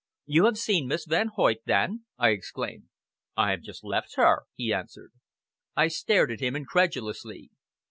"You have seen Miss Van Hoyt then?" I exclaimed. "I have just left her!" he answered. I stared at him incredulously.